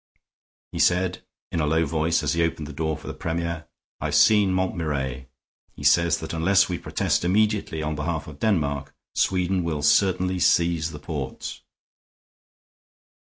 He said, in a low voice as he opened the door for the Premier, "I have seen Montmirail; he says that unless we protest immediately on behalf of Denmark, Sweden will certainly seize the ports."